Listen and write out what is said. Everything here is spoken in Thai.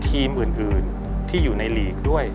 ทีมอื่นที่อยู่ในลีกด้วย